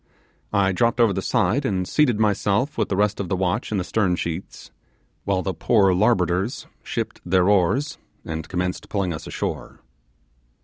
I dropped over the side and seated myself with the rest of the watch in the stern sheets, while the poor larboarders shipped their oars, and commenced pulling us ashore.